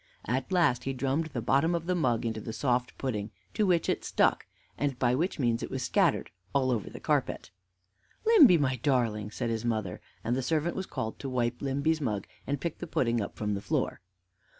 At last he drummed the bottom of the mug into the soft pudding, to which it stuck, and by which means it was scattered all over the carpet. "Limby, my darling!" said his mother; and the servant was called to wipe Limby's mug and pick the pudding up from the floor.